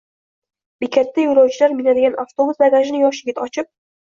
Bekatda yo'lovchilar minadigan avtobus bagajini yosh yigit ochib